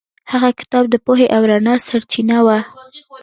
هغه کتاب د پوهې او رڼا سرچینه وه.